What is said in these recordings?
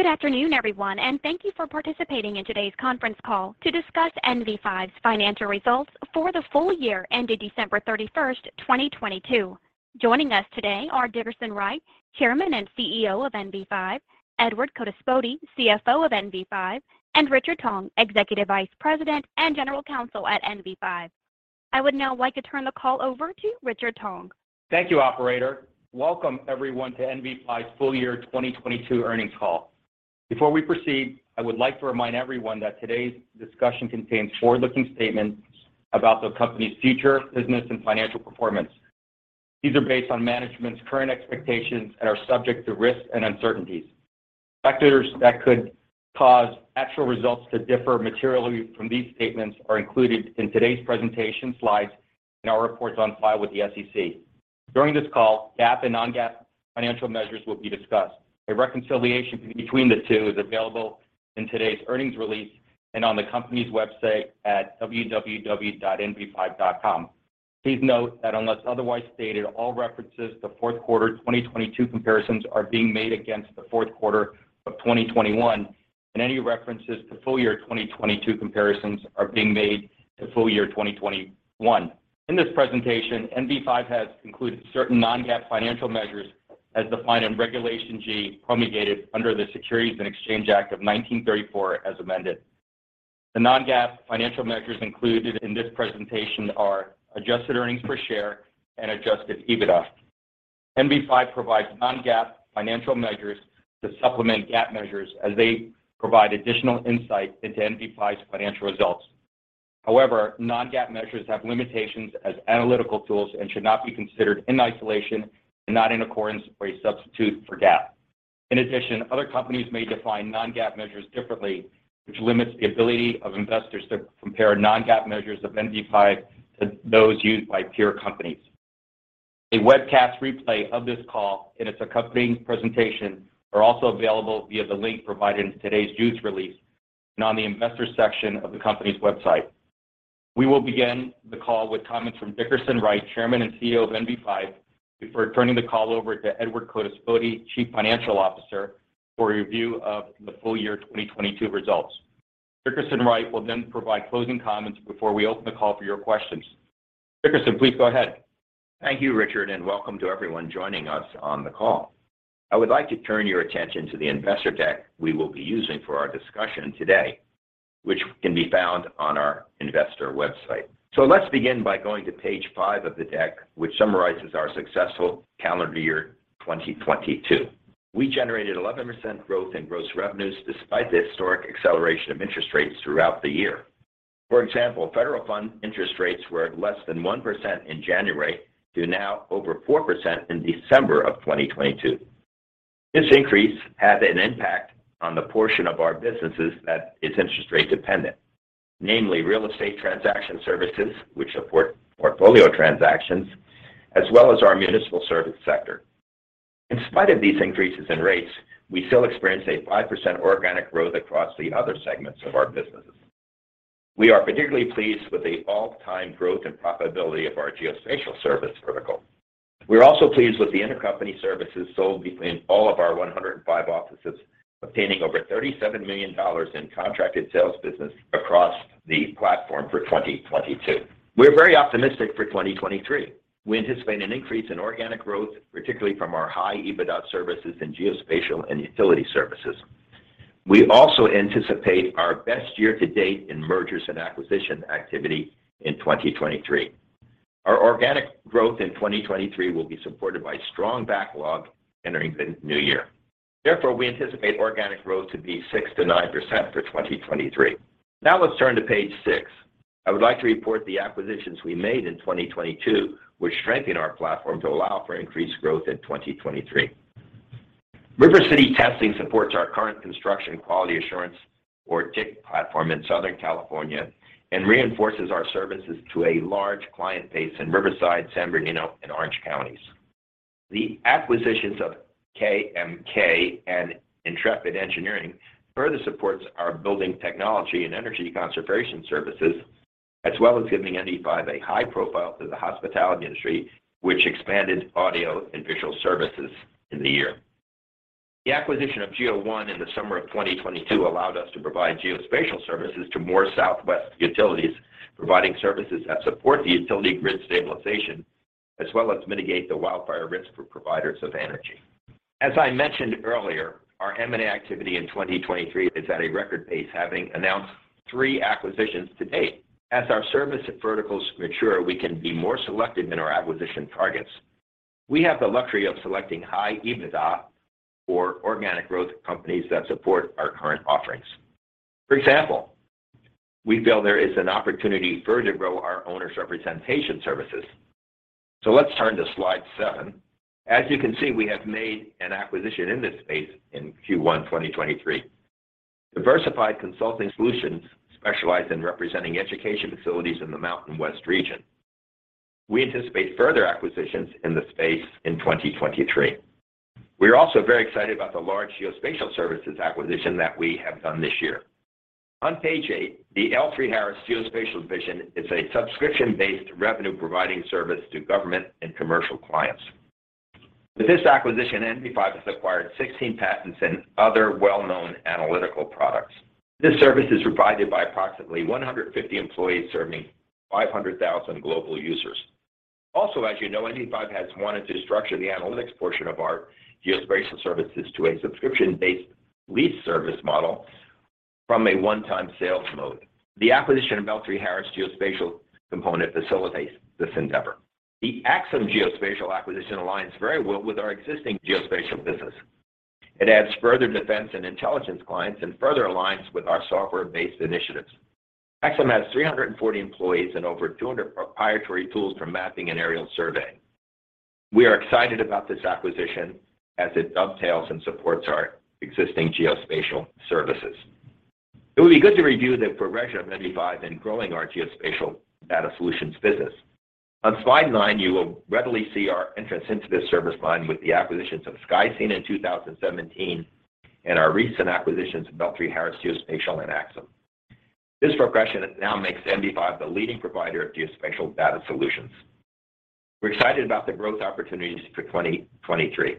Good afternoon, everyone, and thank you for participating in today's conference call to discuss NV5's financial results for the full year ended December 31st, 2022. Joining us today are Dickerson Wright, Chairman and CEO of NV5, Edward Codispoti, CFO of NV5, and Richard Tong, Executive Vice President and General Counsel at NV5. I would now like to turn the call over to Richard Tong. Thank you, operator. Welcome everyone to NV5's full year 2022 earnings call. Before we proceed, I would like to remind everyone that today's discussion contains forward-looking statements about the company's future, business, and financial performance. These are based on management's current expectations and are subject to risks and uncertainties. Factors that could cause actual results to differ materially from these statements are included in today's presentation slides and our reports on file with the SEC. During this call, GAAP and non-GAAP financial measures will be discussed. A reconciliation between the two is available in today's earnings release and on the company's website at www.nv5.com. Please note that unless otherwise stated, all references to fourth quarter 2022 comparisons are being made against the fourth quarter of 2021, and any references to full year 2022 comparisons are being made to full year 2021. In this presentation, NV5 has included certain non-GAAP financial measures as defined in Regulation G promulgated under the Securities and Exchange Act of 1934 as amended. The non-GAAP financial measures included in this presentation are adjusted earnings per share and adjusted EBITDA. NV5 provides non-GAAP financial measures to supplement GAAP measures as they provide additional insight into NV5's financial results. However, non-GAAP measures have limitations as analytical tools and should not be considered in isolation and not in accordance with a substitute for GAAP. In addition, other companies may define non-GAAP measures differently, which limits the ability of investors to compare non-GAAP measures of NV5 to those used by peer companies. A webcast replay of this call and its accompanying presentation are also available via the link provided in today's news release and on the investors section of the company's website. We will begin the call with comments from Dickerson Wright, Chairman and CEO of NV5, before turning the call over to Edward Codispoti, Chief Financial Officer, for a review of the full year 2022 results. Dickerson Wright will provide closing comments before we open the call for your questions. Dickerson, please go ahead. Thank you, Richard, and welcome to everyone joining us on the call. I would like to turn your attention to the investor deck we will be using for our discussion today, which can be found on our investor website. Let's begin by going to page five of the deck, which summarizes our successful calendar year 2022. We generated 11% growth in gross revenues despite the historic acceleration of interest rates throughout the year. For example, federal fund interest rates were less than 1% in January to now over 4% in December of 2022. This increase had an impact on the portion of our businesses that is interest rate dependent, namely real estate transaction services, which support portfolio transactions, as well as our municipal service sector. In spite of these increases in rates, we still experienced a 5% organic growth across the other segments of our businesses. We are particularly pleased with the all-time growth and profitability of our geospatial service vertical. We're also pleased with the intercompany services sold between all of our 105 offices, obtaining over $37 million in contracted sales business across the platform for 2022. We're very optimistic for 2023. We anticipate an increase in organic growth, particularly from our high EBITDA services in geospatial and utility services. We also anticipate our best year to date in mergers and acquisition activity in 2023. Our organic growth in 2023 will be supported by strong backlog entering the new year. Therefore, we anticipate organic growth to be 6%-9% for 2023. Now let's turn to page six. I would like to report the acquisitions we made in 2022, which strengthen our platform to allow for increased growth in 2023. River City Testing supports our current construction quality assurance or TIC platform in Southern California and reinforces our services to a large client base in Riverside, San Bernardino, and Orange Counties. The acquisitions of KMK and Intrepid Engineering further supports our building technology and energy conservation services, as well as giving NV5 a high profile to the hospitality industry, which expanded audio and visual services in the year. The acquisition of GEO1 in the summer of 2022 allowed us to provide geospatial services to more Southwest utilities, providing services that support the utility grid stabilization, as well as mitigate the wildfire risk for providers of energy. As I mentioned earlier, our M&A activity in 2023 is at a record pace, having announced three acquisitions to date. As our service verticals mature, we can be more selective in our acquisition targets. We have the luxury of selecting high EBITDA or organic growth companies that support our current offerings. For example, we feel there is an opportunity further to grow our owners representation services. Let's turn to slide seven. As you can see, we have made an acquisition in this space in Q1 2023. Diversified Consulting Solutions specialize in representing education facilities in the Mountain West region. We anticipate further acquisitions in this space in 2023. We are also very excited about the large geospatial services acquisition that we have done this year. On page eight, the L3Harris Geospatial division is a subscription-based revenue providing service to government and commercial clients. With this acquisition, NV5 has acquired 16 patents and other well-known analytical products. This service is provided by approximately 150 employees serving 500,000 global users. Also as you know, NV5 has wanted to structure the analytics portion of our geospatial services to a subscription-based lease service model from a one-time sales mode. The acquisition of L3Harris Geospatial component facilitates this endeavor. The Axim Geospatial acquisition aligns very well with our existing geospatial business. It adds further defense and intelligence clients and further aligns with our software-based initiatives. Axim has 340 employees and over 200 proprietary tools for mapping and aerial survey. We are excited about this acquisition as it dovetails and supports our existing geospatial services. It would be good to review the progression of NV5 in growing our geospatial data solutions business. On slide nine, you will readily see our entrance into this service line with the acquisitions of Skyscene in 2017 and our recent acquisitions of L3Harris Geospatial and Axim. This progression now makes NV5 the leading provider of geospatial data solutions. We're excited about the growth opportunities for 2023.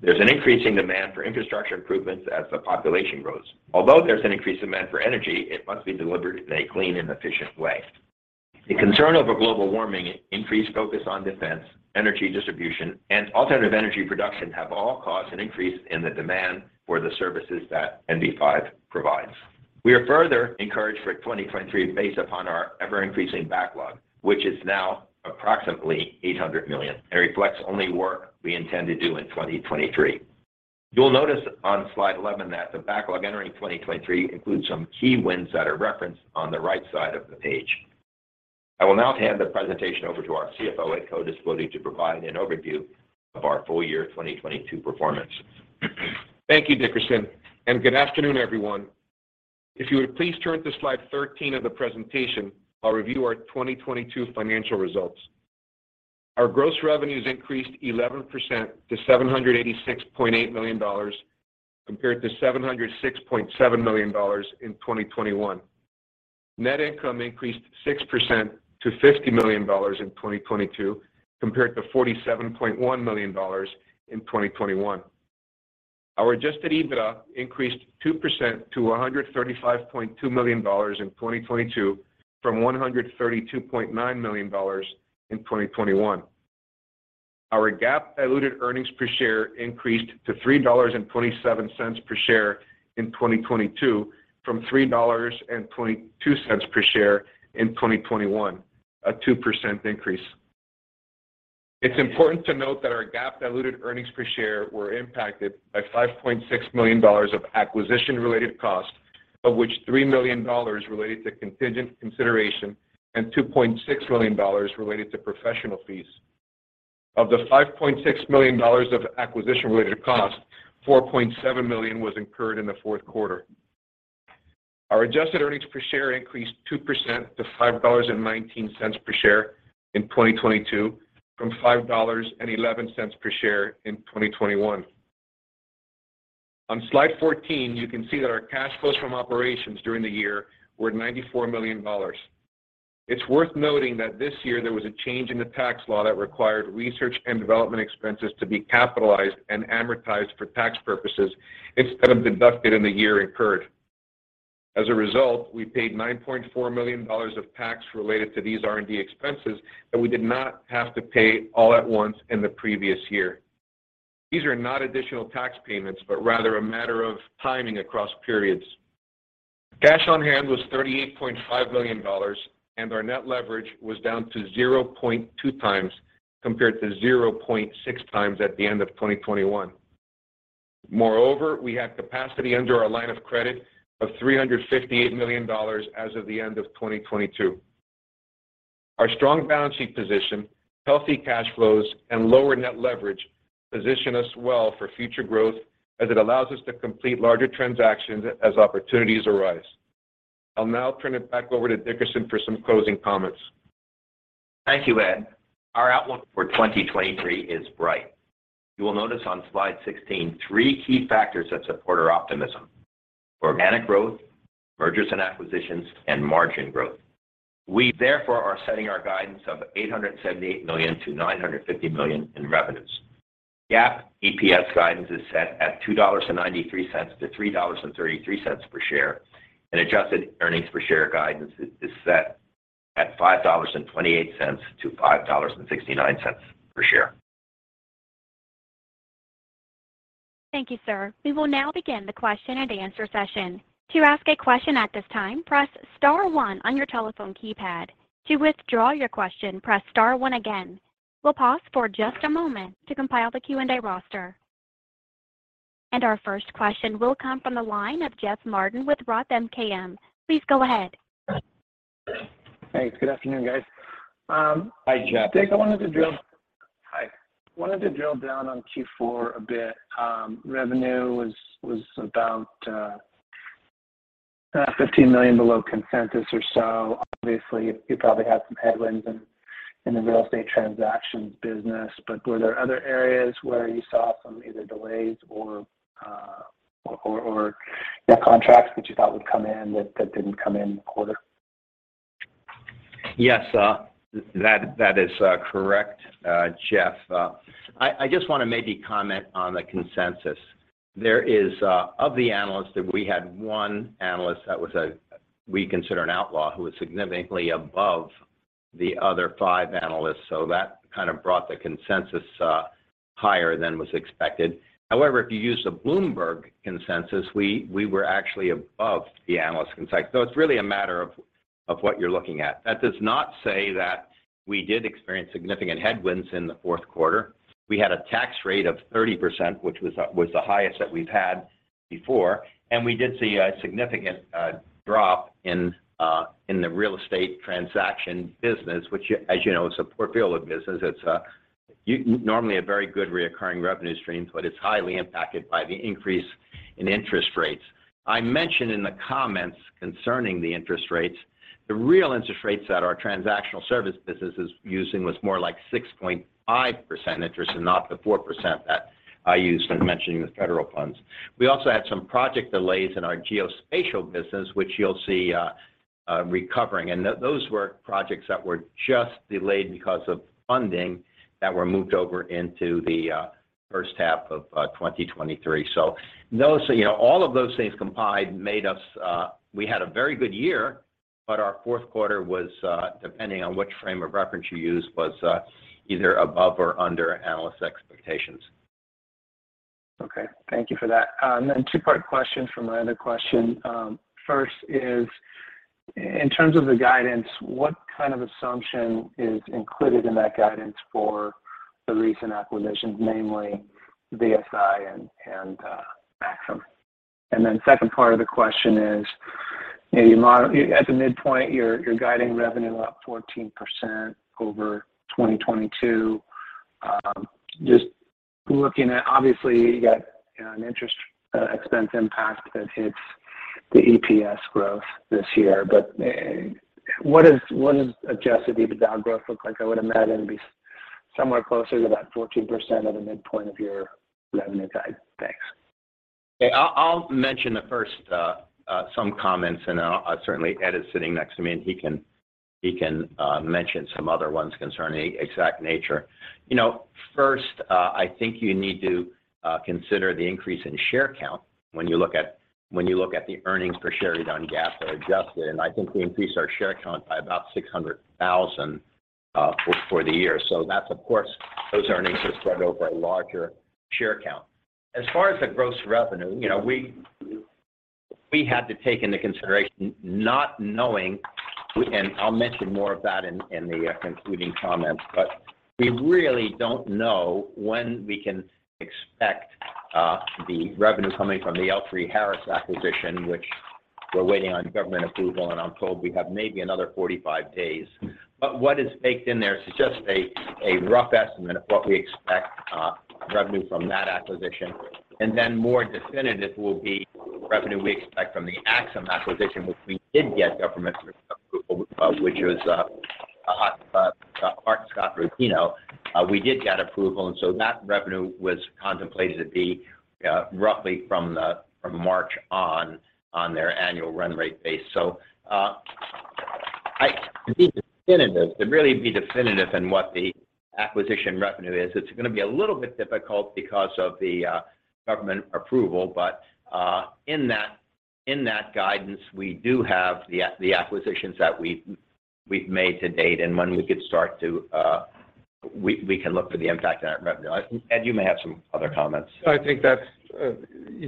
There's an increasing demand for infrastructure improvements as the population grows. Although there's an increased demand for energy, it must be delivered in a clean and efficient way. The concern over global warming, increased focus on defense, energy distribution, and alternative energy production have all caused an increase in the demand for the services that NV5 provides. We are further encouraged for 2023 based upon our ever-increasing backlog, which is now approximately $800 million and reflects only work we intend to do in 2023. You'll notice on slide 11 that the backlog entering 2023 includes some key wins that are referenced on the right side of the page. I will now hand the presentation over to our CFO, Ed Codispoti, to provide an overview of our full year 2022 performance. Thank you, Dickerson, and good afternoon, everyone. If you would please turn to slide 13 of the presentation, I'll review our 2022 financial results. Our gross revenues increased 11% to $786.8 million compared to $706.7 million in 2021. Net income increased 6% to $50 million in 2022 compared to $47.1 million in 2021. Our adjusted EBITDA increased 2% to $135.2 million in 2022 from $132.9 million in 2021. Our GAAP diluted earnings per share increased to $3.27 per share in 2022 from $3.22 per share in 2021, a 2% increase. It's important to note that our GAAP diluted earnings per share were impacted by $5.6 million of acquisition-related costs, of which $3 million related to contingent consideration and $2.6 million related to professional fees. Of the $5.6 million of acquisition-related costs, $4.7 million was incurred in the fourth quarter. Our adjusted earnings per share increased 2% to $5.19 per share in 2022 from $5.11 per share in 2021. On slide 14, you can see that our cash flows from operations during the year were $94 million. It's worth noting that this year there was a change in the tax law that required research and development expenses to be capitalized and amortized for tax purposes instead of deducted in the year incurred. As a result, we paid $9.4 million of tax related to these R&D expenses that we did not have to pay all at once in the previous year. These are not additional tax payments, rather a matter of timing across periods. Cash on hand was $38.5 million, our net leverage was down to 0.2x compared to 0.6x at the end of 2021. Moreover, we have capacity under our line of credit of $358 million as of the end of 2022. Our strong balance sheet position, healthy cash flows, and lower net leverage position us well for future growth as it allows us to complete larger transactions as opportunities arise. I'll now turn it back over to Dickerson for some closing comments. Thank you, Ed. Our outlook for 2023 is bright. You will notice on slide 16 three key factors that support our optimism: organic growth, mergers and acquisitions, and margin growth. We therefore are setting our guidance of $878 million-$950 million in revenues. GAAP EPS guidance is set at $2.93-$3.33 per share. Adjusted earnings per share guidance is set at $5.28-$5.69 per share. Thank you, sir. We will now begin the question-and-answer session. To ask a question at this time, press star one on your telephone keypad. To withdraw your question, press star one again. We'll pause for just a moment to compile the Q&A roster. Our first question will come from the line of Jeff Martin with ROTH MKM. Please go ahead. Thanks. Good afternoon, guys. Hi, Jeff. Dick, hi. Wanted to drill down on Q4 a bit. Revenue was about $15 million below consensus or so. Obviously, you probably had some headwinds in the real estate transactions business, but were there other areas where you saw some either delays or net contracts that you thought would come in that didn't come in the quarter? Yes, that is correct, Jeff. I just wanna maybe comment on the consensus. Of the analysts that we had one analyst that was we consider an outlaw, who was significantly above the other five analysts. That kind of brought the consensus higher than was expected. However, if you use the Bloomberg consensus, we were actually above the analyst consensus. It's really a matter of what you're looking at. That does not say that we did experience significant headwinds in the fourth quarter. We had a tax rate of 30%, which was the highest that we've had before. We did see a significant drop in the real estate transaction business, which as you know, it's a portfolio of business. It's normally a very good recurring revenue stream, but it's highly impacted by the increase in interest rates. I mentioned in the comments concerning the interest rates, the real interest rates that our transactional service business is using was more like 6.5% interest and not the 4% that I used in mentioning the federal funds. We also had some project delays in our geospatial business, which you'll see recovering. Those were projects that were just delayed because of funding that were moved over into the first half of 2023. You know, all of those things combined made us. We had a very good year, but our fourth quarter was, depending on which frame of reference you use, was either above or under analysts' expectations. Okay. Thank you for that. Two-part question for my other question. First is in terms of the guidance, what kind of assumption is included in that guidance for the recent acquisitions, namely DSI and Axim? Second part of the question is, you know, at the midpoint, you're guiding revenue up 14% over 2022. Just looking at obviously, you got, you know, an interest expense impact that hits the EPS growth this year. What does adjusted EBITDA growth look like? I would imagine it'd be somewhere closer to that 14% at the midpoint of your revenue guide. Thanks. Okay. I'll mention the first some comments, and certainly Ed is sitting next to me, and he can mention some other ones concerning the exact nature. You know, first, I think you need to consider the increase in share count when you look at the earnings per share non-GAAP or adjusted. I think we increased our share count by about 600,000 for the year. Of course, those earnings are spread over a larger share count. As far as the gross revenue, you know, we had to take into consideration not knowing, and I'll mention more of that in the concluding comments. we really don't know when we can expect the revenue coming from the L3Harris acquisition, which we're waiting on government approval, and I'm told we have maybe another 45 days. What is baked in there is just a rough estimate of what we expect revenue from that acquisition. More definitive will be revenue we expect from the Axim acquisition, which we did get government approval, which was Hart-Scott-Rodino. We did get approval, that revenue was contemplated to be roughly from March on their annual run rate base. To be definitive, to really be definitive in what the acquisition revenue is, it's gonna be a little bit difficult because of the government approval. In that, in that guidance, we do have the acquisitions that we've made to date. We can look for the impact on that revenue. Ed, you may have some other comments. I think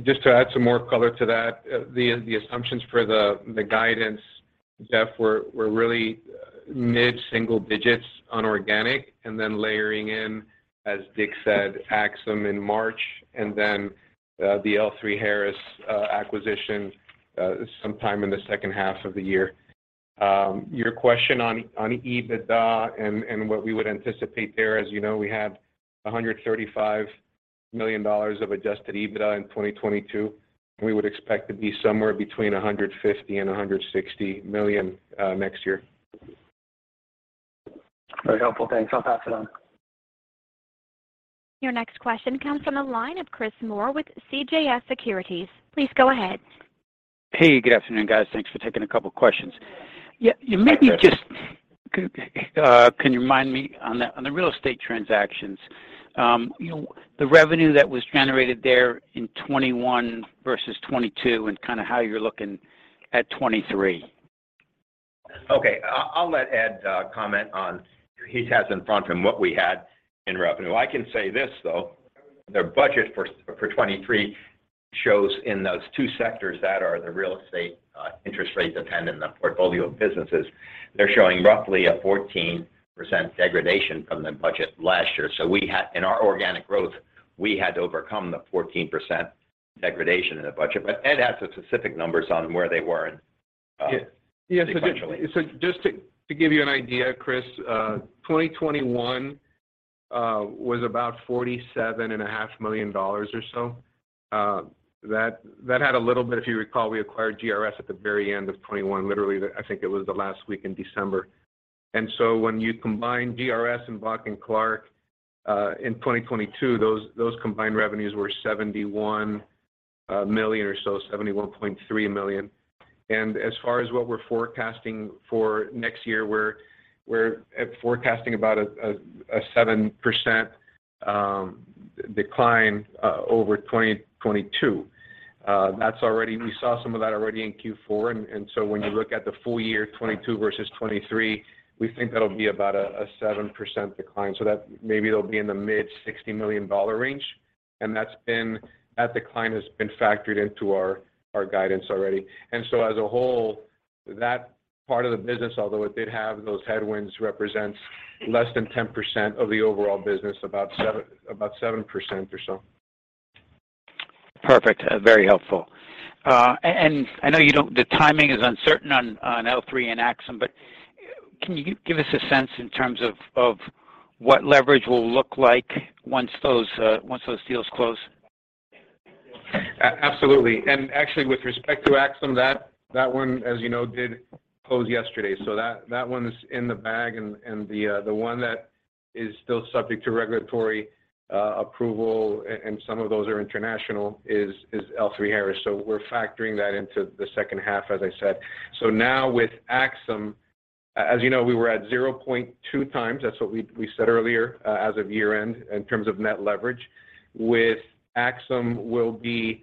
just to add some more color to that, the assumptions for the guidance, Jeff, were really mid-single digits on organic, layering in, as Dick said, Axim in March and the L3Harris acquisition sometime in the second half of the year. Your question on EBITDA and what we would anticipate there, as you know, we had $135 million of adjusted EBITDA in 2022. We would expect to be somewhere between $150 million and $160 million next year. Very helpful. Thanks. I'll pass it on. Your next question comes from the line of Chris Moore with CJS Securities. Please go ahead. Hey, good afternoon, guys. Thanks for taking a couple questions. Hi, Chris. Can you remind me on the, on the real estate transactions, you know, the revenue that was generated there in 2021 versus 2022 and kinda how you're looking at 2023? Okay. I'll let Ed comment on. He has in front of him what we had in revenue. I can say this, though. The budget for 2023 shows in those two sectors that are the real estate, interest rate dependent, the portfolio of businesses, they're showing roughly a 14% degradation from the budget last year. In our organic growth, we had to overcome the 14% degradation in the budget. Ed has the specific numbers on where they were and. Yes. Just to give you an idea, Chris, 2021 was about $47.5 million or so. That had a little bit. If you recall, we acquired GRS at the very end of 2021, literally, I think it was the last week in December. When you combine GRS and Bock & Clark in 2022, those combined revenues were $71 million or so, $71.3 million. As far as what we're forecasting for next year, we're forecasting about a 7% decline over 2022. We saw some of that already in Q4. When you look at the full year 2022 versus 2023, we think that'll be about a 7% decline. That maybe it'll be in the mid $60 million range. That decline has been factored into our guidance already. As a whole, that part of the business, although it did have those headwinds, represents less than 10% of the overall business, about 7% or so. Perfect. Very helpful. I know you don't the timing is uncertain on L3 and Axim. Can you give us a sense in terms of what leverage will look like once those once those deals close? Absolutely. Actually, with respect to Axim, that one, as you know, did close yesterday. That one's in the bag. The one that is still subject to regulatory approval, and some of those are international, is L3Harris. We're factoring that into the second half, as I said. Now with Axim, as you know, we were at 0.2x. That's what we said earlier, as of year-end in terms of net leverage. With Axim, we'll be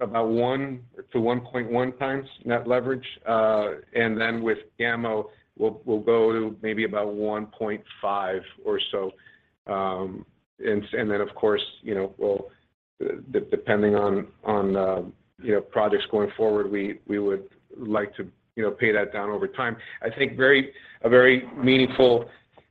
about 1x-1.1x net leverage. With GAMO, we'll go to maybe about 1.5 or so. Of course, you know, we'll depending on the, you know, projects going forward, we would like to, you know, pay that down over time. I think a very meaningful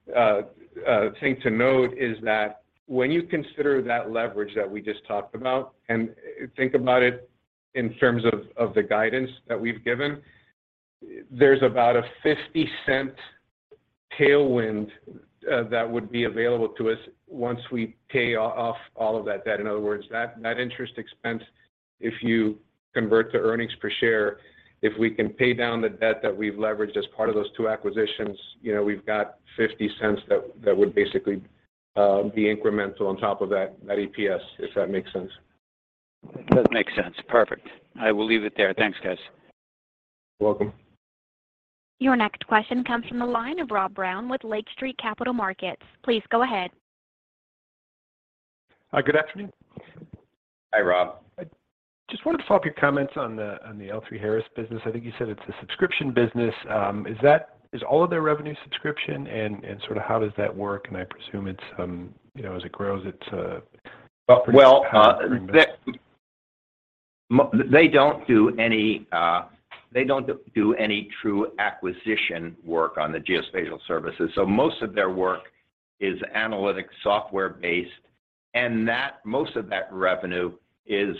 thing to note is that when you consider that leverage that we just talked about, and think about it in terms of the guidance that we've given, there's about a $0.50 tailwind that would be available to us once we pay off all of that debt. In other words, that interest expense, if you convert to earnings per share, if we can pay down the debt that we've leveraged as part of those two acquisitions, you know, we've got $0.50 that would basically be incremental on top of that EPS, if that makes sense. It does make sense. Perfect. I will leave it there. Thanks, guys. You're welcome. Your next question comes from the line of Rob Brown with Lake Street Capital Markets. Please go ahead. Good afternoon. Hi, Rob. I just wanted to follow up your comments on the, on the L3Harris business. I think you said it's a subscription business. Is all of their revenue subscription? Sort of how does that work? I presume it's, you know, as it grows, it's offered as a pattern. They don't do any true acquisition work on the geospatial services. Most of their work is analytic software-based, and that most of that revenue is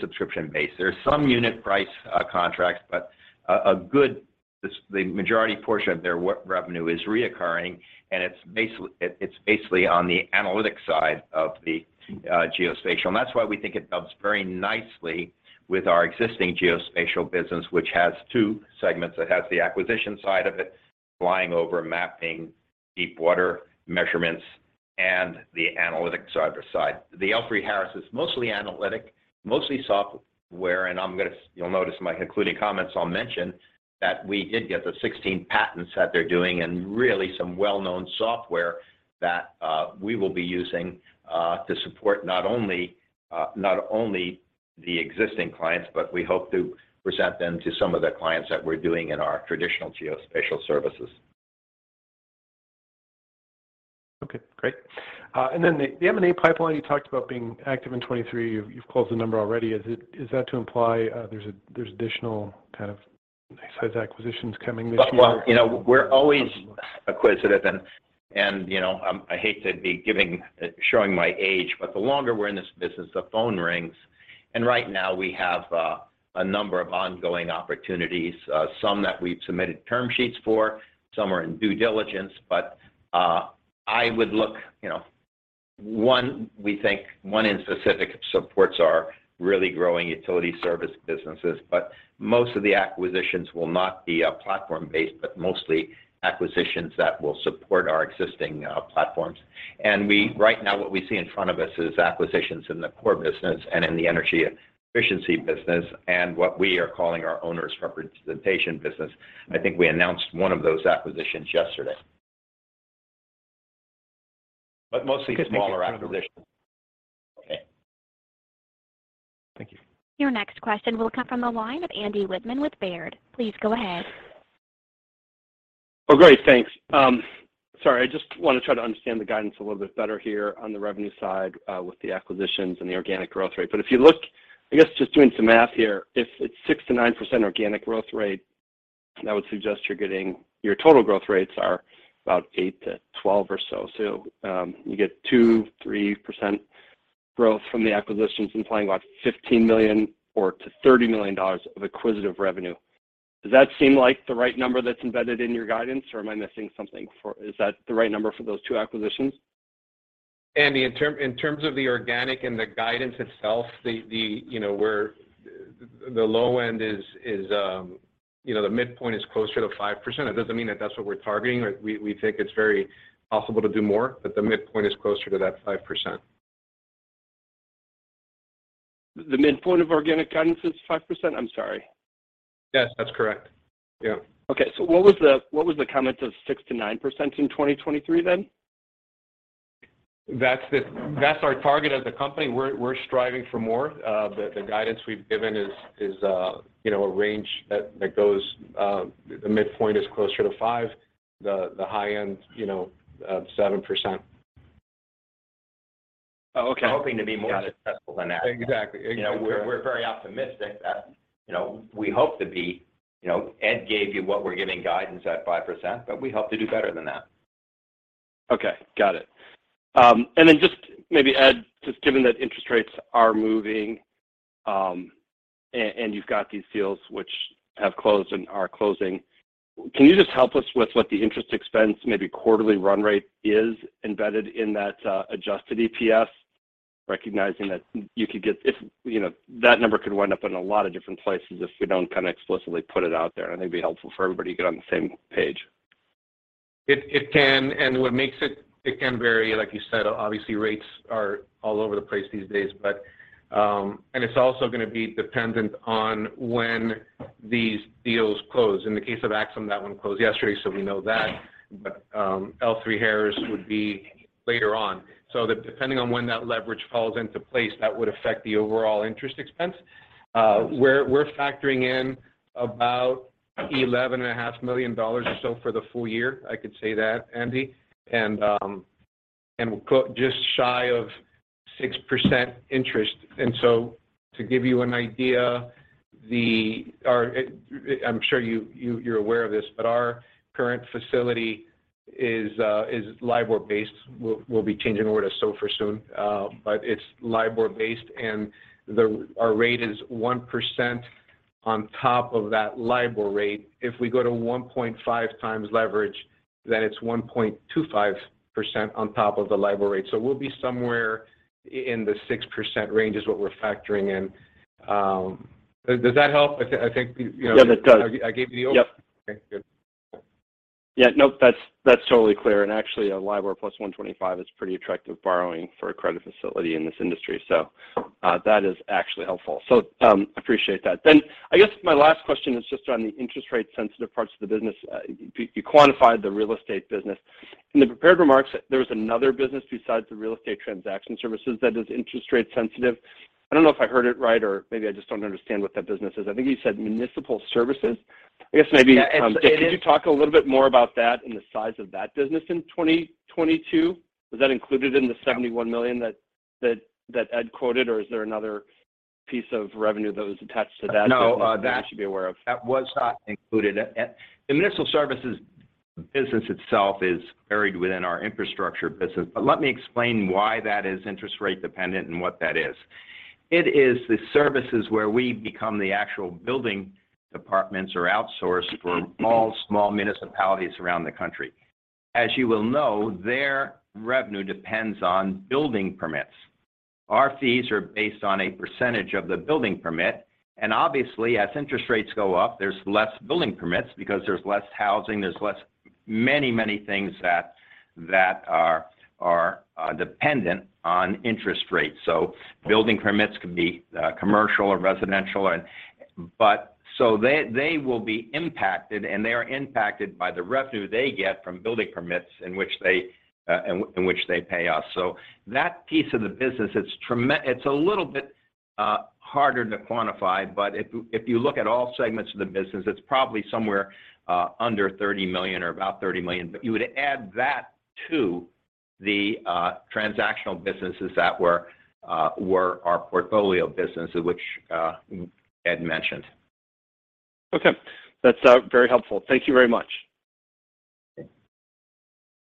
subscription-based. There are some unit price contracts, but the majority portion of their revenue is recurring, and it's basically on the analytic side of the geospatial. That's why we think it fits very nicely with our existing geospatial business, which has two segments. It has the acquisition side of it, flying over, mapping deep water measurements, and the analytics other side. The L3Harris is mostly analytic, mostly software. You'll notice in my concluding comments, I'll mention that we did get the 16 patents that they're doing and really some well-known software that we will be using to support not only the existing clients, but we hope to present them to some of the clients that we're doing in our traditional geospatial services. Okay, great. The M&A pipeline you talked about being active in 2023. You've closed the number already. Is that to imply there's additional kind of nice size acquisitions coming this year? Well, well, you know, we're always acquisitive. You know, I hate to be showing my age, but the longer we're in this business, the phone rings. Right now we have a number of ongoing opportunities, some that we've submitted term sheets for, some are in due diligence. I would look, you know. One, we think one in specific supports our really growing utility service businesses. Most of the acquisitions will not be platform-based, but mostly acquisitions that will support our existing platforms. Right now, what we see in front of us is acquisitions in the core business and in the energy efficiency business and what we are calling our owners representation business. I think we announced one of those acquisitions yesterday. Mostly smaller acquisitions. Okay. Thank you. Your next question will come from the line of Andy Wittmann with Baird. Please go ahead. Great. Thanks. Sorry, I just want to try to understand the guidance a little bit better here on the revenue side, with the acquisitions and the organic growth rate. I guess just doing some math here. If it's 6%-9% organic growth rate, that would suggest your total growth rates are about 8%-12% or so. You get 2%-3% growth from the acquisitions implying like $15 million-$30 million of acquisitive revenue. Does that seem like the right number that's embedded in your guidance or am I missing something? Is that the right number for those two acquisitions? Andy, in terms of the organic and the guidance itself, the, you know, the low end is, you know, the midpoint is closer to 5%. It doesn't mean that that's what we're targeting. We think it's very possible to do more, but the midpoint is closer to that 5%. The midpoint of organic guidance is 5%? I'm sorry. Yes, that's correct. Yeah. Okay. What was the comment of 6%-9% in 2023? That's our target as a company. We're striving for more. The guidance we've given is, you know, a range that goes, the midpoint is closer to 5%, the high end, you know, 7%. Oh, okay. Hoping to be more successful than that. Exactly. Exactly. You know, we're very optimistic that, you know, we hope to be, you know, Ed gave you what we're giving guidance at 5%, but we hope to do better than that. Okay. Got it. Then just maybe Ed, just given that interest rates are moving, and you've got these deals which have closed and are closing, can you just help us with what the interest expense, maybe quarterly run rate is embedded in that adjusted EPS? Recognizing that you know, that number could wind up in a lot of different places if you don't kind of explicitly put it out there. I think it'd be helpful for everybody to get on the same page. It can. It can vary, like you said. Obviously rates are all over the place these days. It's also gonna be dependent on when these deals close. In the case of Axim, that one closed yesterday, so we know that. L3Harris would be later on. Depending on when that leverage falls into place, that would affect the overall interest expense. We're factoring in about $11.5 million or so for the full year, I could say that, Andy. Just shy of 6% interest. To give you an idea, or I'm sure you're aware of this, but our current facility is LIBOR-based. We'll be changing over to SOFR soon. It's LIBOR-based, and our rate is 1% on top of that LIBOR rate. If we go to 1.5x leverage, then it's 1.25% on top of the LIBOR rate. We'll be somewhere in the 6% range is what we're factoring in. Does that help? I think, you know. Yeah, that does. I gave the overview. Yep. Okay, good. Yeah, nope. That's totally clear. Actually, a LIBOR plus 125 is pretty attractive borrowing for a credit facility in this industry, so that is actually helpful. Appreciate that. I guess my last question is just on the interest rate sensitive parts of the business. You quantified the real estate business. In the prepared remarks, there was another business besides the real estate transaction services that is interest rate sensitive. I don't know if I heard it right or maybe I just don't understand what that business is. I think you said municipal services. I guess maybe could you talk a little bit more about that and the size of that business in 2022? Was that included in the $71 million that Ed quoted or is there another piece of revenue that was attached to that? No, that we should be aware of.... that was not included. The municipal services business itself is buried within our infrastructure business. Let me explain why that is interest rate dependent and what that is. It is the services where we become the actual building departments or outsourced for all small municipalities around the country. As you well know, their revenue depends on building permits. Our fees are based on a percentage of the building permit, and obviously as interest rates go up, there's less building permits because there's less housing, there's less many, many things that are dependent on interest rates. Building permits could be commercial or residential. They will be impacted, and they are impacted by the revenue they get from building permits in which they in which they pay us. That piece of the business it's a little bit harder to quantify, but if you look at all segments of the business, it's probably somewhere under $30 million or about $30 million. You would add that to the transactional businesses that were our portfolio businesses which Ed mentioned. Okay. That's very helpful. Thank you very much. Okay.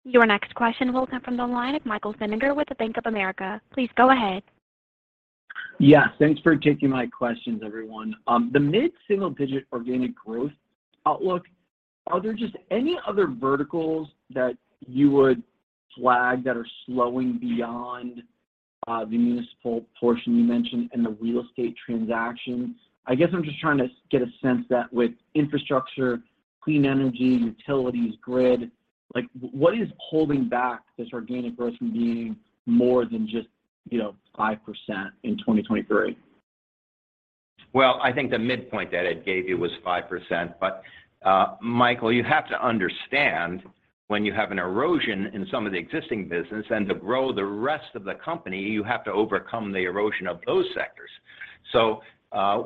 Your next question will come from the line of Michael Feniger with the Bank of America. Please go ahead. Yes, thanks for taking my questions, everyone. The mid-single-digit organic growth outlook, are there just any other verticals that you would flag that are slowing beyond the municipal portion you mentioned and the real estate transactions? I guess I'm just trying to get a sense that with infrastructure, clean energy, utilities, grid, like what is holding back this organic growth from being more than just, you know, 5% in 2023? I think the midpoint that Ed gave you was 5%. Michael, you have to understand when you have an erosion in some of the existing business and to grow the rest of the company, you have to overcome the erosion of those sectors.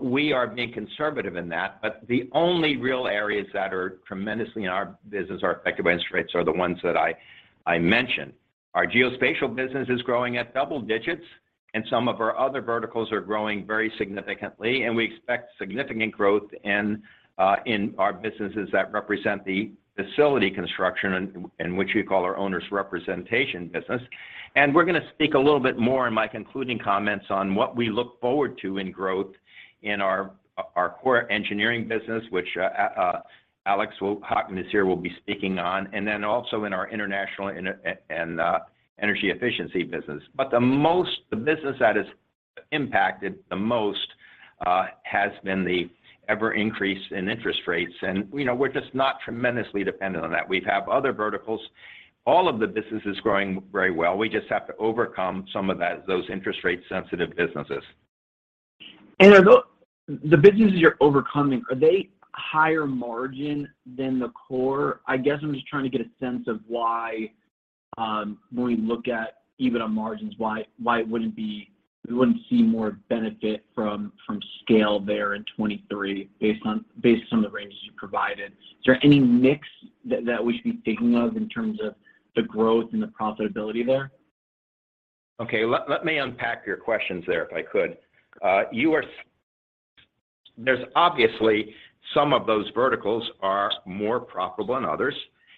We are being conservative in that. The only real areas that are tremendously in our business are affected by interest rates are the ones that I mentioned. Our geospatial business is growing at double digits, some of our other verticals are growing very significantly, and we expect significant growth in our businesses that represent the facility construction and which we call our owner's representation business. We're gonna speak a little bit more in my concluding comments on what we look forward to in growth in our core engineering business, which Alex Hockman is here, will be speaking on, and then also in our international and energy efficiency business. The business that is impacted the most has been the ever increase in interest rates. You know, we're just not tremendously dependent on that. We have other verticals. All of the business is growing very well. We just have to overcome some of those interest rate sensitive businesses. Are the businesses you're overcoming, are they higher margin than the core? I guess I'm just trying to get a sense of why, when we look at EBITDA margins, why we wouldn't see more benefit from scale there in 2023 based on the ranges you provided. Is there any mix that we should be thinking of in terms of the growth and the profitability there? Okay. Let me unpack your questions there, if I could. There's obviously some of those verticals are more profitable than others,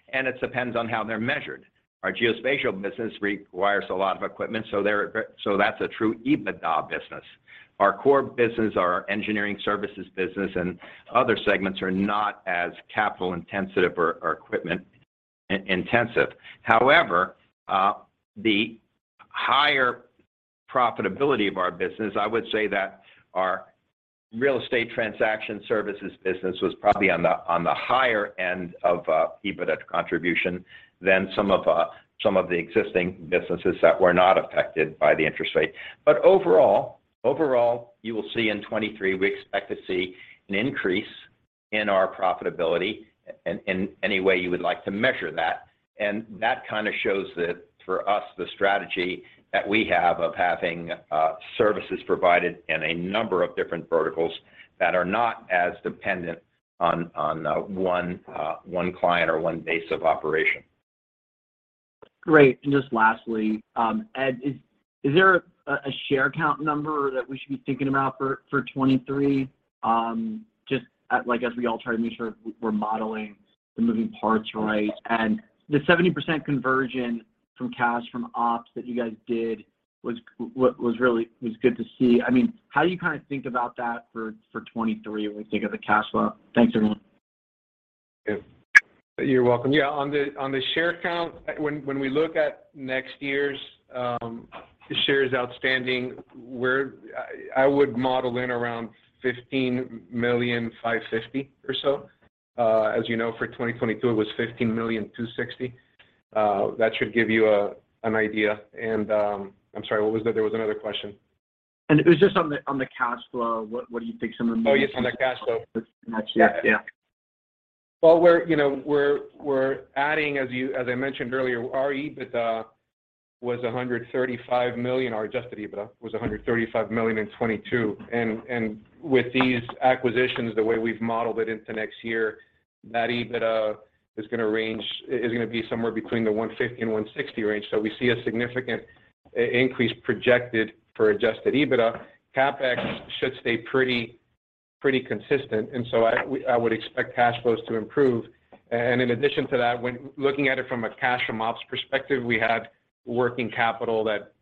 it depends on how they're measured. Our geospatial business requires a lot of equipment, that's a true EBITDA business. Our core business, our engineering services business and other segments are not as capital intensive or equipment intensive. However, the higher profitability of our business, I would say that our real estate transaction services business was probably on the higher end of EBITDA contribution than some of the existing businesses that were not affected by the interest rate. Overall, you will see in 2023, we expect to see an increase in our profitability in any way you would like to measure that. That kind of shows that for us, the strategy that we have of having services provided in a number of different verticals that are not as dependent on one client or one base of operation. Great. Just lastly, Ed, is there a share count number that we should be thinking about for 2023, just at like as we all try to make sure we're modeling the moving parts right. The 70% conversion from cash from ops that you guys did was really good to see. I mean, how do you kind of think about that for 2023 when we think of the cash flow? Thanks, everyone. You're welcome. Yeah, on the share count, when we look at next year's shares outstanding, I would model in around 15,550,000 or so. As you know, for 2022 it was 15,260,000. That should give you an idea. I'm sorry, what was the there was another question? It was just on the cash flow. What do you think some of the main pieces? Oh, yes, on the cash flow. Yeah. Well, we're, you know, we're adding, as I mentioned earlier, our EBITDA was $135 million, our adjusted EBITDA was $135 million in 2022. With these acquisitions, the way we've modeled it into next year, that EBITDA is gonna be somewhere between the $150 million and $160 million range. We see a significant increase projected for adjusted EBITDA. CapEx should stay pretty consistent. I would expect cash flows to improve. In addition to that, when looking at it from a cash from ops perspective, we had working capital that,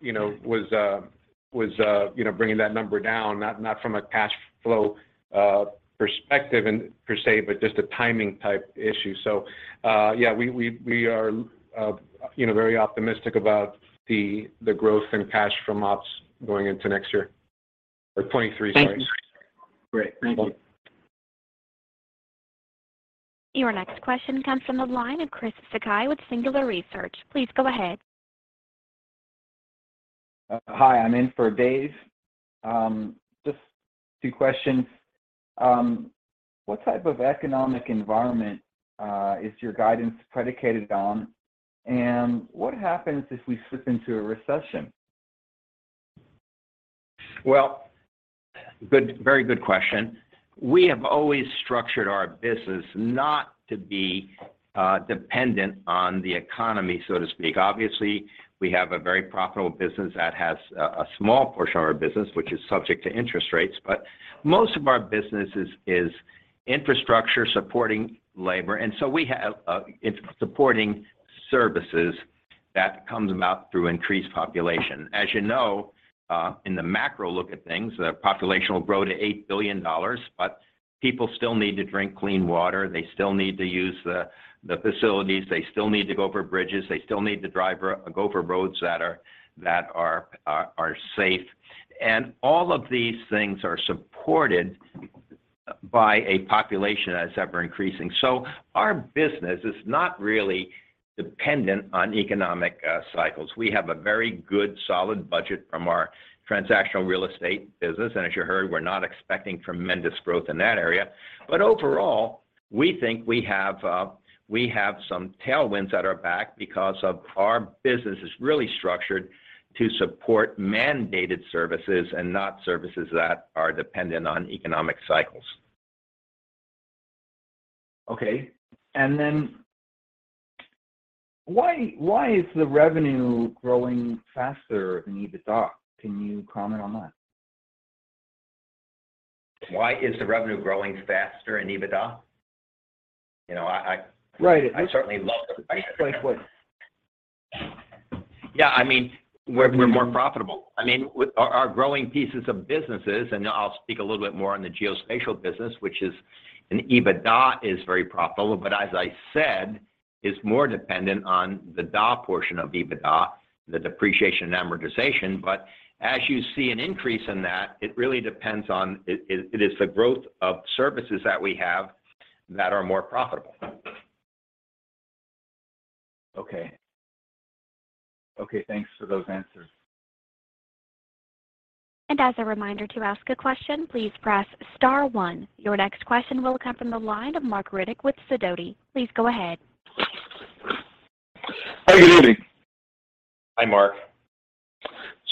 you know, was, you know, bringing that number down, not from a cash flow perspective per se, but just a timing type issue. Yeah, we are, you know, very optimistic about the growth in cash from ops going into next year or 2023, sorry. Thank you. Great. Thank you. Your next question comes from the line of Chris Sakai with Singular Research. Please go ahead. Hi. I'm in for Dave. Just two questions. What type of economic environment is your guidance predicated on? What happens if we slip into a recession? Very good question. We have always structured our business not to be dependent on the economy, so to speak. Obviously, we have a very profitable business that has a small portion of our business, which is subject to interest rates. Most of our business is infrastructure supporting labor, it's supporting services that comes about through increased population. As you know, in the macro look at things, the population will grow to $8 billion, people still need to drink clean water. They still need to use the facilities. They still need to go over bridges. They still need to go over roads that are safe. All of these things are supported by a population that's ever increasing. Our business is not really dependent on economic cycles. We have a very good solid budget from our transactional real estate business, as you heard, we're not expecting tremendous growth in that area. Overall, we think we have some tailwinds at our back because our business is really structured to support mandated services and not services that are dependent on economic cycles. Okay. Why is the revenue growing faster than EBITDA? Can you comment on that? Why is the revenue growing faster than EBITDA? You know? Right. I certainly love the- Like what? Yeah. I mean, we're more profitable. I mean, with our growing pieces of businesses, I'll speak a little bit more on the geospatial business, which is an EBITDA, is very profitable. As I said, it's more dependent on the DA portion of EBITDA, the depreciation and amortization. As you see an increase in that, it really depends on it is the growth of services that we have that are more profitable. Okay. Okay, thanks for those answers. As a reminder, to ask a question, please press star one. Your next question will come from the line of Marc Riddick with Sidoti. Please go ahead. Hi, good evening. Hi, Marc.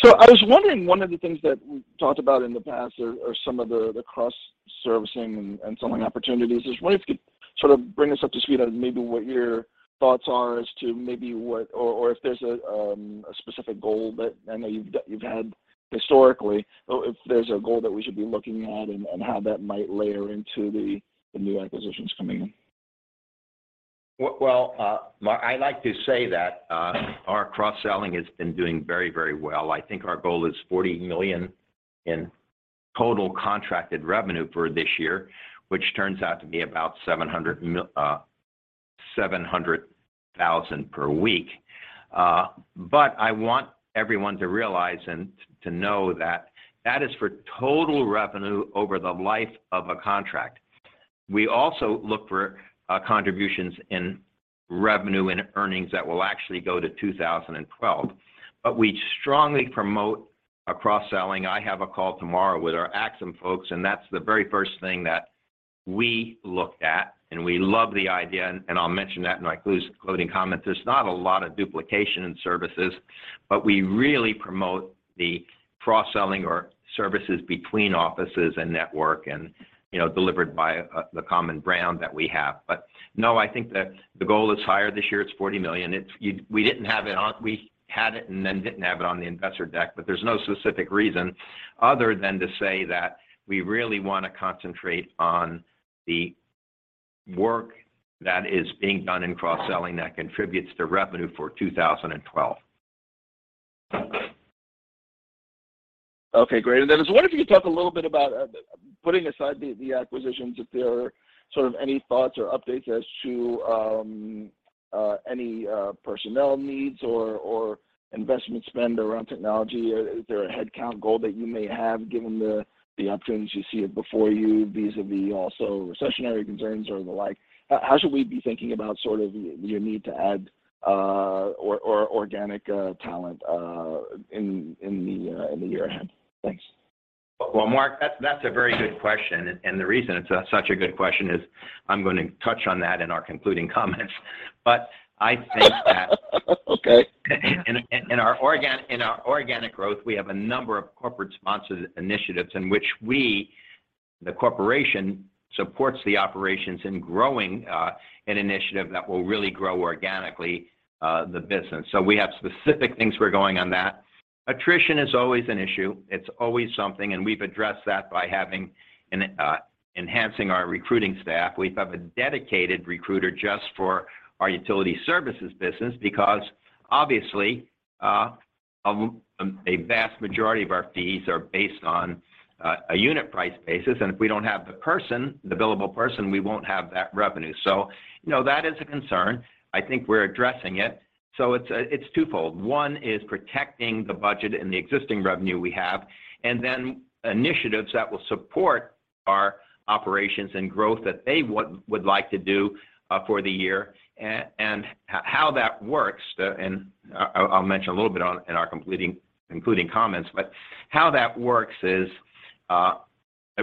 I was wondering, one of the things that we talked about in the past are some of the cross-servicing and selling opportunities. I was wondering if you could sort of bring us up to speed on maybe what your thoughts are as to maybe what or if there's a specific goal that I know you've had historically, or if there's a goal that we should be looking at and how that might layer into the new acquisitions coming in. Well, Marc, I like to say that our cross-selling has been doing very, very well. I think our goal is $40 million in total contracted revenue for this year, which turns out to be about $700,000 per week. I want everyone to realize and to know that that is for total revenue over the life of a contract. We also look for contributions in revenue and earnings that will actually go to 2012. We strongly promote a cross-selling. I have a call tomorrow with our Axim folks, and that's the very first thing that we look at, and we love the idea, and I'll mention that in my closing comments. There's not a lot of duplication in services, but we really promote the cross-selling or services between offices and network and, you know, delivered by, the common brand that we have. No, I think that the goal is higher this year. It's $40 million. We had it and then didn't have it on the investor deck, but there's no specific reason other than to say that we really wanna concentrate on the work that is being done in cross-selling that contributes to revenue for 2012. Okay, great. I was wondering if you could talk a little bit about putting aside the acquisitions, if there are sort of any thoughts or updates as to any personnel needs or investment spend around technology. Is there a headcount goal that you may have given the opportunities you see it before you vis-a-vis also recessionary concerns or the like? How should we be thinking about sort of your need to add or organic talent in the year ahead? Thanks. Well, Marc, that's a very good question, and the reason it's such a good question is I'm gonna touch on that in our concluding comments. I think. Okay. In our organic growth, we have a number of corporate sponsored initiatives in which we, the corporation, supports the operations in growing an initiative that will really grow organically the business. We have specific things we're going on that. Attrition is always an issue. It's always something, and we've addressed that by having and enhancing our recruiting staff. We have a dedicated recruiter just for our utility services business because obviously a vast majority of our fees are based on a unit price basis, and if we don't have the person, the billable person, we won't have that revenue. You know, that is a concern. I think we're addressing it. It's twofold. One is protecting the budget and the existing revenue we have, and then initiatives that will support our operations and growth that they would like to do for the year. How that works, and I'll mention a little bit on in our concluding comments. How that works is,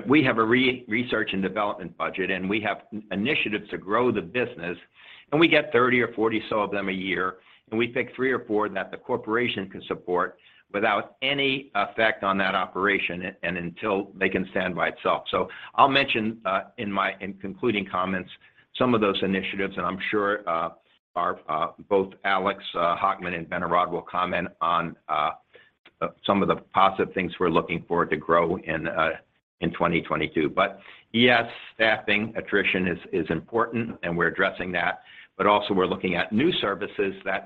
we have a research and development budget, and we have initiatives to grow the business, and we get 30 or 40 so of them a year, and we pick three or four that the corporation can support without any effect on that operation and until they can stand by itself. I'll mention in my concluding comments some of those initiatives, and I'm sure our both Alex Hockman and Ben Heraud will comment on some of the positive things we're looking for to grow in 2022. Yes, staffing attrition is important and we're addressing that. Also we're looking at new services that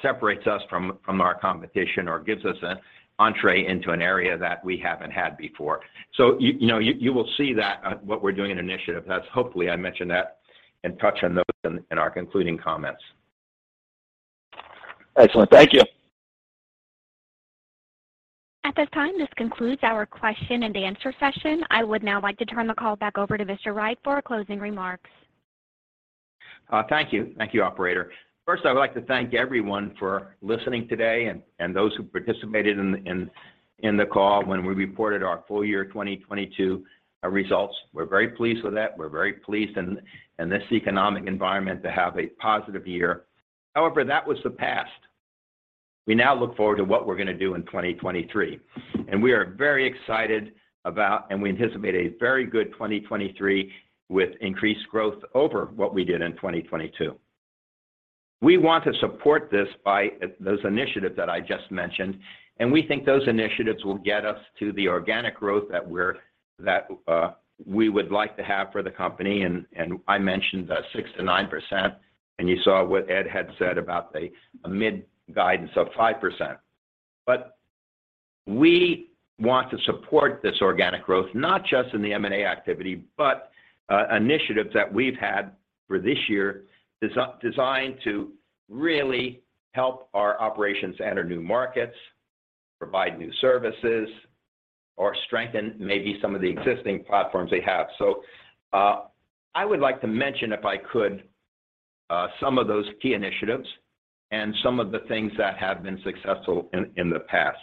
separates us from our competition or gives us an entree into an area that we haven't had before. You know, you will see that what we're doing in initiative. That's hopefully I mentioned that and touch on those in our concluding comments. Excellent. Thank you. At this time, this concludes our question-and-answer session. I would now like to turn the call back over to Mr. Wright for closing remarks. Thank you. Thank you, operator. First, I would like to thank everyone for listening today and those who participated in the call when we reported our full year 2022 results. We're very pleased with that. We're very pleased in this economic environment to have a positive year. However, that was the past. We now look forward to what we're gonna do in 2023. We are very excited about, and we anticipate a very good 2023 with increased growth over what we did in 2022. We want to support this by those initiatives that I just mentioned, and we think those initiatives will get us to the organic growth that we would like to have for the company. I mentioned the 6%-9%, and you saw what Ed had said about the mid-guidance of 5%. We want to support this organic growth, not just in the M&A activity, but initiatives that we've had for this year designed to really help our operations enter new markets, provide new services, or strengthen maybe some of the existing platforms they have. I would like to mention, if I could, some of those key initiatives and some of the things that have been successful in the past.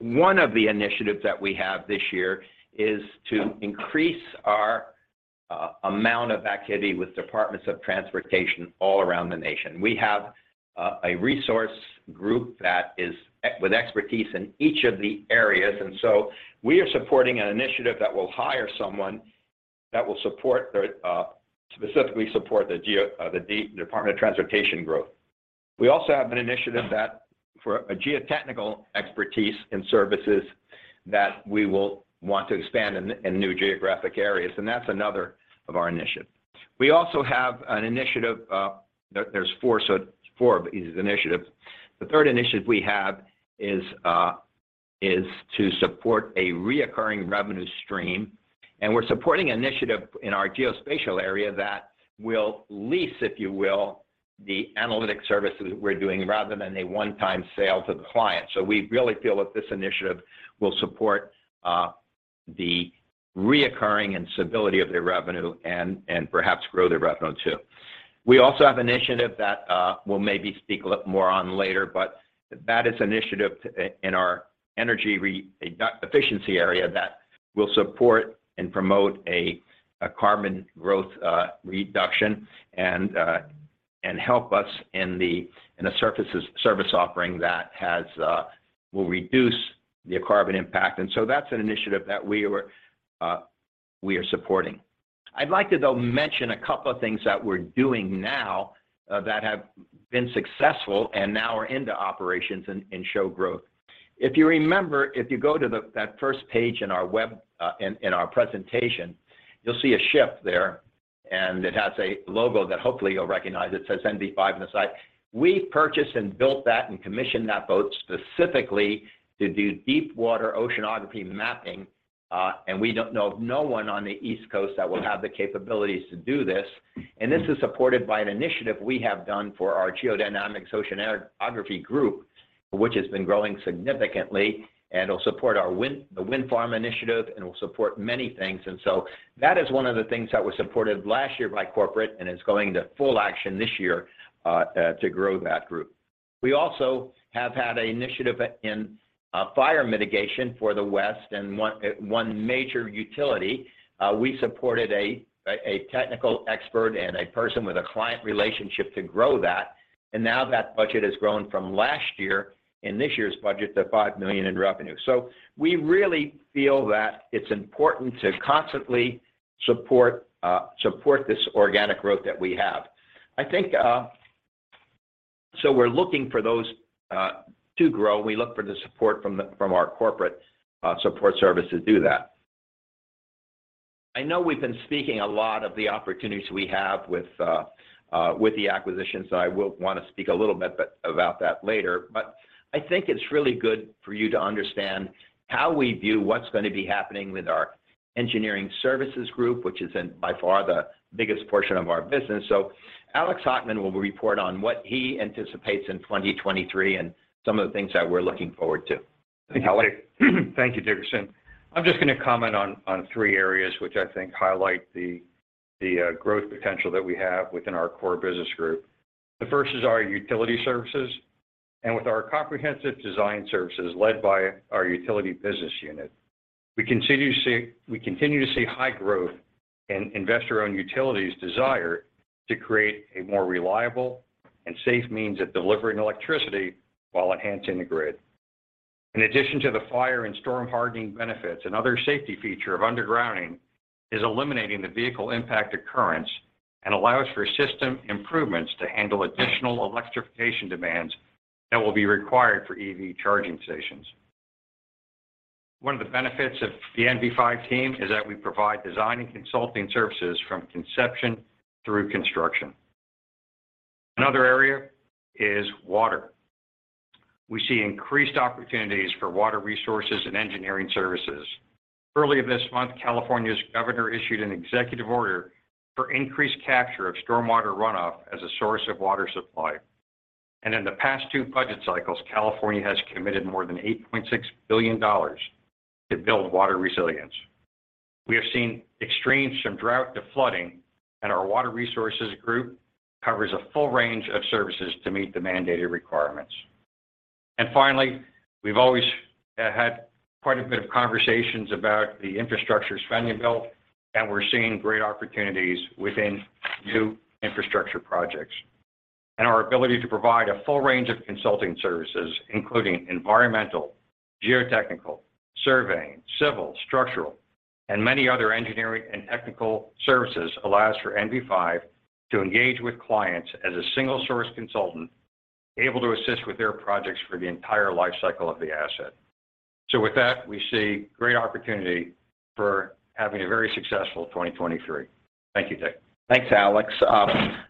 One of the initiatives that we have this year is to increase our amount of activity with departments of transportation all around the nation. We have a resource group that is with expertise in each of the areas. We are supporting an initiative that will hire someone that will specifically support the Department of Transportation growth. We also have an initiative that for a geotechnical expertise and services that we will want to expand in new geographic areas, and that's another of our initiatives. We also have an initiative, there's four, so four of these initiatives. The third initiative we have is to support a reoccurring revenue stream. We're supporting initiative in our geospatial area that will lease, if you will, the analytics services we're doing rather than a one-time sale to the client. We really feel that this initiative will support the reoccurring and stability of the revenue and perhaps grow the revenue too. We also have initiative that we'll maybe speak a little more on later, but that is initiative in our energy efficiency area that will support and promote a carbon growth reduction and help us in a service offering that has will reduce the carbon impact. That's an initiative that we were we are supporting. I'd like to, though, mention a couple of things that we're doing now that have been successful and now are into operations and show growth. If you remember, if you go to that first page in our web in our presentation, you'll see a ship there, and it has a logo that hopefully you'll recognize. It says NV5 on the side. We purchased and built that and commissioned that boat specifically to do deep water oceanography mapping, we don't know of no one on the East Coast that will have the capabilities to do this. This is supported by an initiative we have done for our Geodynamics Oceanography group, which has been growing significantly and will support our wind, the wind farm initiative and will support many things. That is one of the things that was supported last year by corporate and is going to full action this year to grow that group. We also have had a initiative in fire mitigation for the West and one major utility. We supported a technical expert and a person with a client relationship to grow that. Now that budget has grown from last year in this year's budget to $5 million in revenue. We really feel that it's important to constantly support this organic growth that we have. We're looking for those to grow. We look for the support from our corporate support services to do that. I know we've been speaking a lot of the opportunities we have with the acquisitions. I will want to speak a little bit about that later. I think it's really good for you to understand how we view what's going to be happening with our engineering services group, which is in by far the biggest portion of our business. Alex Hockman will report on what he anticipates in 2023 and some of the things that we're looking forward to. Alex? Thank you, Dickerson. I'm just going to comment on three areas, which I think highlight the growth potential that we have within our core business group. The first is our utility services, and with our comprehensive design services led by our utility business unit. We continue to see high growth in investor-owned utilities desire to create a more reliable and safe means of delivering electricity while enhancing the grid. In addition to the fire and storm hardening benefits, another safety feature of undergrounding is eliminating the vehicle impact occurrence and allows for system improvements to handle additional electrification demands that will be required for EV charging stations. One of the benefits of the NV5 team is that we provide design and consulting services from conception through construction. Another area is water. We see increased opportunities for water resources and engineering services. Earlier this month, California's Governor issued an executive order for increased capture of stormwater runoff as a source of water supply. In the past two budget cycles, California has committed more than $8.6 billion to build water resilience. We have seen extremes from drought to flooding, and our water resources group covers a full range of services to meet the mandated requirements. Finally, we've always had quite a bit of conversations about the infrastructure spending bill, and we're seeing great opportunities within new infrastructure projects. Our ability to provide a full range of consulting services, including environmental, geotechnical, surveying, civil, structural, and many other engineering and technical services allows for NV5 to engage with clients as a single source consultant able to assist with their projects for the entire life cycle of the asset. With that, we see great opportunity for having a very successful 2023. Thank you, Dick. Thanks, Alex.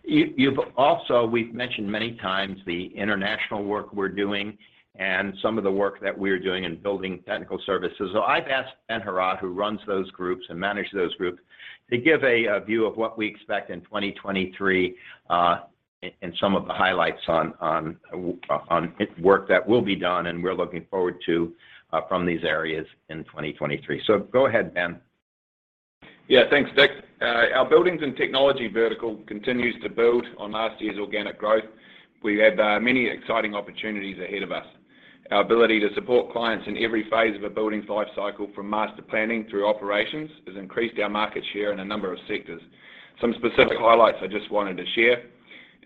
We've mentioned many times the international work we're doing and some of the work that we're doing in building technical services. I've asked Ben Heraud, who runs those groups and manages those groups, to give a view of what we expect in 2023, and some of the highlights on work that will be done and we're looking forward to from these areas in 2023. Go ahead, Ben. Yeah. Thanks, Dick. Our Buildings and Technology vertical continues to build on last year's organic growth. We have many exciting opportunities ahead of us. Our ability to support clients in every phase of a building's life cycle from master planning through operations has increased our market share in a number of sectors. Some specific highlights I just wanted to share.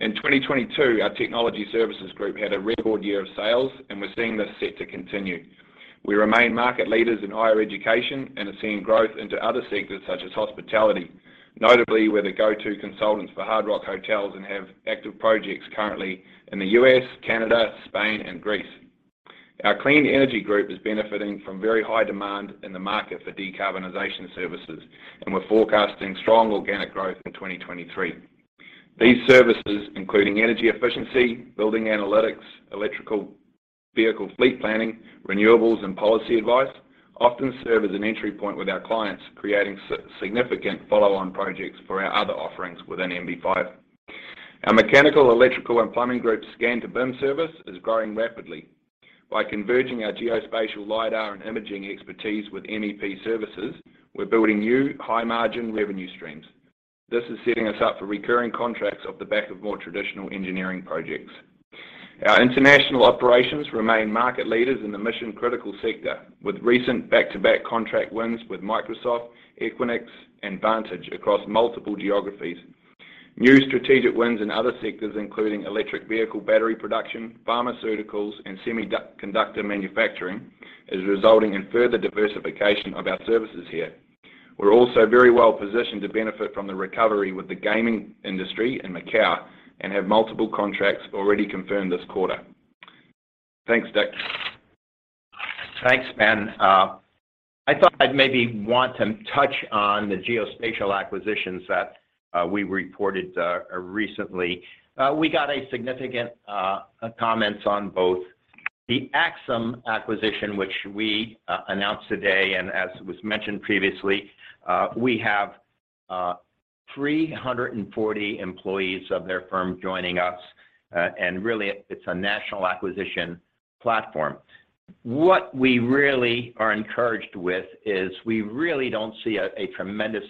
In 2022, our Technology Services Group had a record year of sales, and we're seeing this set to continue. We remain market leaders in higher education and are seeing growth into other sectors such as hospitality. Notably, we're the go-to consultants for Hard Rock Hotels and have active projects currently in the U.S., Canada, Spain, and Greece. Our Clean Energy Group is benefiting from very high demand in the market for decarbonization services, and we're forecasting strong organic growth in 2023. These services, including energy efficiency, building analytics, electrical vehicle fleet planning, renewables, and policy advice, often serve as an entry point with our clients, creating significant follow-on projects for our other offerings within NV5. Our mechanical, electrical, and plumbing group's scan-to-BIM service is growing rapidly. By converging our geospatial LiDAR and imaging expertise with MEP services, we're building new high-margin revenue streams. This is setting us up for recurring contracts off the back of more traditional engineering projects. Our international operations remain market leaders in the mission-critical sector with recent back-to-back contract wins with Microsoft, Equinix, and Vantage across multiple geographies. New strategic wins in other sectors, including electric vehicle battery production, pharmaceuticals, and semiconductor manufacturing, is resulting in further diversification of our services here. We're also very well-positioned to benefit from the recovery with the gaming industry in Macau and have multiple contracts already confirmed this quarter. Thanks, Dick. Thanks, Ben. I thought I'd maybe want to touch on the geospatial acquisitions that we reported recently. We got significant comments on both the Axim acquisition, which we announced today. As was mentioned previously, we have 340 employees of their firm joining us. Really, it's a national acquisition platform. What we really are encouraged with is we really don't see a tremendous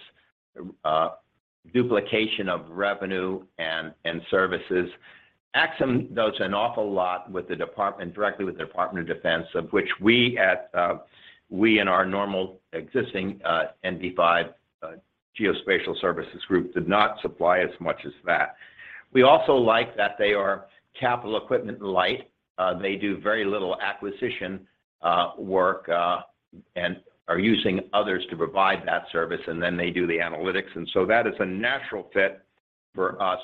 duplication of revenue and services. Axim does an awful lot directly with the Department of Defense, of which we in our normal existing NV5 geospatial services group did not supply as much as that. We also like that they are capital equipment light. They do very little acquisition work and are using others to provide that service, and then they do the analytics. That is a natural fit for us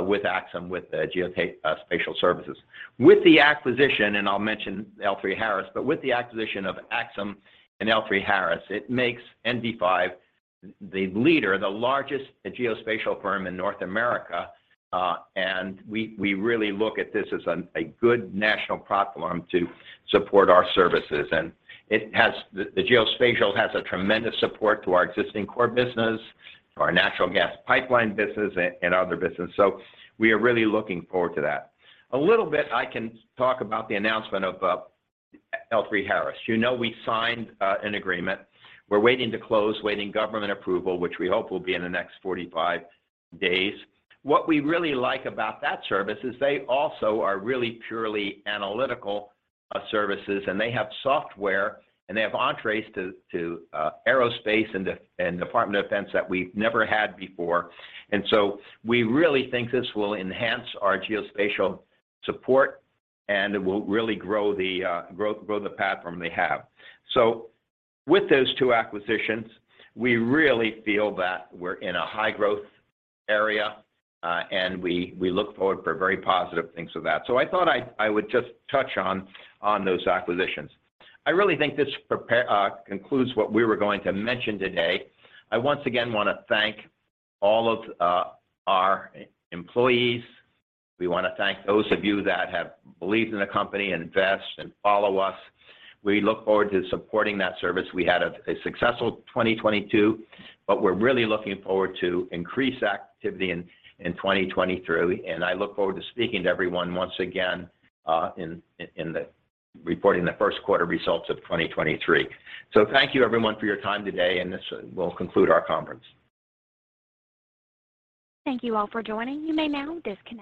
with Axim, with the geospatial services. With the acquisition, and I'll mention L3Harris, but with the acquisition of Axim and L3Harris, it makes NV5 the leader, the largest geospatial firm in North America. We really look at this as a good national platform to support our services. The geospatial has a tremendous support to our existing core business, to our natural gas pipeline business, and other business. We are really looking forward to that. A little bit I can talk about the announcement of L3Harris. You know we signed an agreement. We're waiting to close, waiting government approval, which we hope will be in the next 45 days. What we really like about that service is they also are really purely analytical services, and they have software, and they have entrees to aerospace and Department of Defense that we've never had before. We really think this will enhance our geospatial support, and it will really grow the platform they have. With those two acquisitions, we really feel that we're in a high-growth area, and we look forward for very positive things of that. I thought I would just touch on those acquisitions. I really think this concludes what we were going to mention today. I once again wanna thank all of our employees. We wanna thank those of you that have believed in the company, invest, and follow us. We look forward to supporting that service. We had a successful 2022, but we're really looking forward to increased activity in 2023. I look forward to speaking to everyone once again, in the reporting the first quarter results of 2023. Thank you, everyone, for your time today, and this will conclude our conference. Thank you all for joining. You may now disconnect.